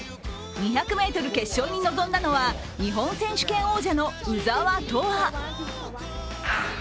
２００ｍ決勝に臨んだのは日本選手権王者の鵜澤飛羽。